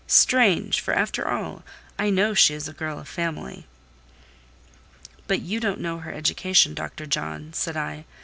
Strange! for after all, I know she is a girl of family." "But you don't know her education, Dr. John," said I.